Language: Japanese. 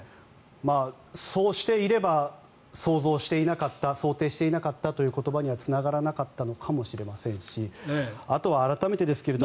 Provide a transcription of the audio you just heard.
そうしていれば想像していなかった想定していなかったという言葉にはつながらなかったのかもしれませんしあとは改めてですけど。